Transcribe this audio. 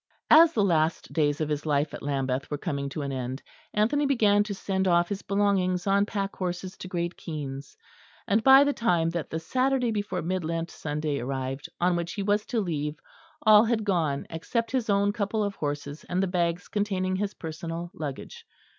As the last days of his life at Lambeth were coming to an end, Anthony began to send off his belongings on pack horses to Great Keynes; and by the time that the Saturday before Mid Lent Sunday arrived, on which he was to leave, all had gone except his own couple of horses and the bags containing his personal luggage.